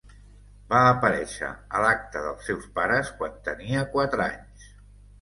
Va aparèixer a l'acte dels seus pares quan tenia quatre anys.